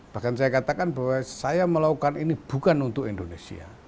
bahkan saya katakan bahwa saya melakukan ini bukan untuk indonesia